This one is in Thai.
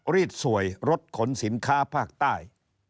รีดสวยรถขนสินค้าภาคใต้